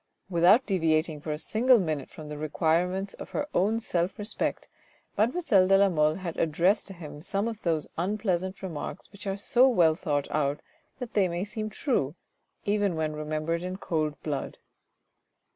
Without deviating for a single minute from the requirements of her own self respect, mademoiselle de la Mole had addressed to him some of those unpleasant remarks which are so well thought out that they may seem true, even when remembered in cold blood.